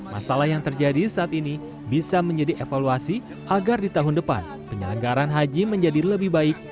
masalah yang terjadi saat ini bisa menjadi evaluasi agar di tahun depan penyelenggaran haji menjadi lebih baik